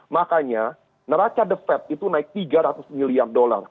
makanya neraca the fed itu naik tiga ratus miliar dolar